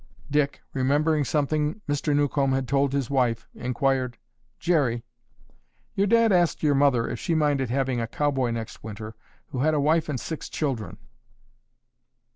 Dick, remembering something Mr. Newcomb told his wife, inquired, "Jerry, your dad asked your mother if she minded having a cowboy next winter who had a wife and six children."